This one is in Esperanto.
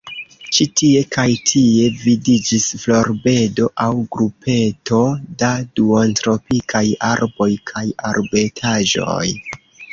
Ĉi tie kaj tie vidiĝis florbedo aŭ grupeto da duontropikaj arboj kaj arbetaĵoj.